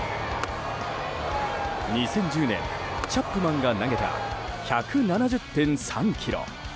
２０１０年チャップマンが投げた１７０．３キロ。